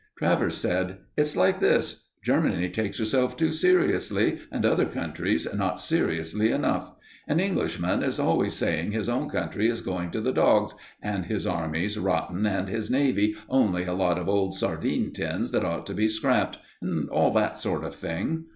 Travers said: "It's like this. Germany takes herself too seriously and other countries not seriously enough. An Englishman is always saying his own country is going to the dogs, and his Army's rotten, and his Navy only a lot of old sardine tins that ought to be scrapped, and all that sort of thing.